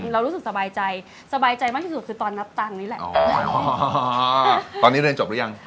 เรารู้สึกสบายใจสบายใจมากที่สุดคือตอนนับตันนี่แหละอ๋อตอนนี้เรียนจบหรือยัง